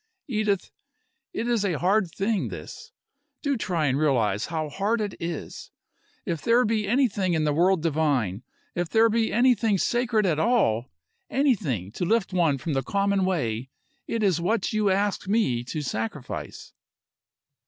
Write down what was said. Edith, it is a hard thing, this. Do try and realize how hard it is. If there be anything in the world divine, if there be anything sacred at all, anything to lift one from the common way, it is what you ask me to sacrifice."